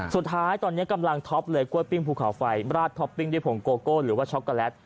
สุดท้ายตอนนี้กำลังท็อปเลยกล้วยปิ้งภูเขาไฟราดท็อปปิ้งด้วยผงโกโก้หรือว่าช็อกโกแลต